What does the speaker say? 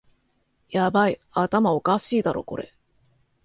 ヤバい、頭おかしいだろこれ